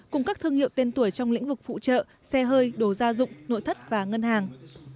cùng các thương hiệu tên tuổi trong lĩnh vực phụ trợ xe hơi đồ gia dụng nội thất và ngân hàng